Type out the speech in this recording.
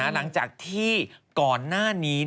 หลังจากที่ก่อนหน้านี้